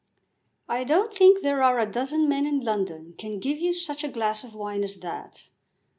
"I don't think there are a dozen men in London can give you such a glass of wine as that.